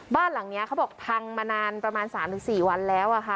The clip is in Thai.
บ้านหลังนี้เขาบอกพังมานานประมาณ๓๔วันแล้วอะค่ะ